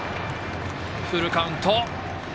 フルカウント！